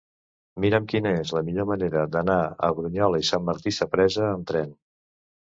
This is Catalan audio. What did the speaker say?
Mira'm quina és la millor manera d'anar a Brunyola i Sant Martí Sapresa amb tren.